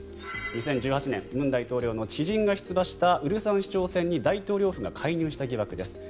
２０１８年文大統領の知人が出馬した蔚山市長選に大統領府が介入した疑惑です。